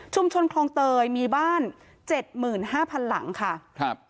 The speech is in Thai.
ชุมชนคลองเตยมีบ้าน๗๕๐๐๐หลังค่ะ